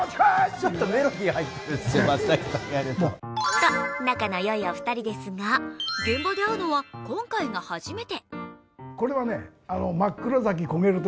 と仲のよいお二人ですが、現場で会うのは今回が初めて。